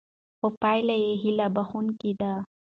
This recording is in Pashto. خو پایلې هیله بښوونکې دي.